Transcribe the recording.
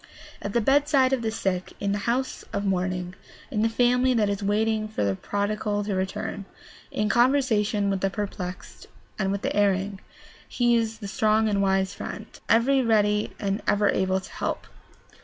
At the bedside of the sick, in the house of mourning, in the family that is waiting for the prodigal to return, in conversation with the perplexed and with the erring, he is the strong and wise friend, every ready and ever able to help.